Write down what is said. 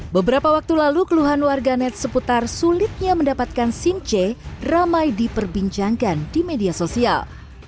beberapa waktu lalu keluhan warganet seputar sulitnya mendapatkan sim c ramai diperbincangkan di media sosial